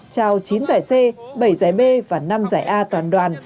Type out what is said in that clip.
trao chín giải c bảy giải b và năm giải a toàn đoàn